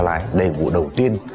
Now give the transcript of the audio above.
đây là vụ đầu tiên